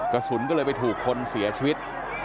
กระสุนก็เลยไปถูกคนเสียชีวิต